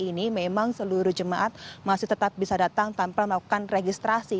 ini memang seluruh jemaat masih tetap bisa datang tanpa melakukan registrasi